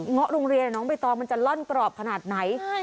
้อโรงเรียนน้องใบตองมันจะล่อนกรอบขนาดไหน